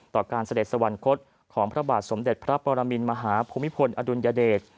ต่อการเสด็จสวรรคตของพระบาทสมเด็จพระปรมินมหาภูมิพลอดุลยเดช